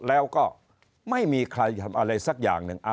แล้วก็ไม่มีใครทำอะไรสักอย่างหนึ่ง